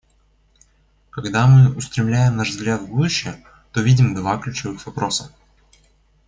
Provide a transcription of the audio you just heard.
Когда мы устремляем наш взгляд в будущее, то видим два ключевых вопроса.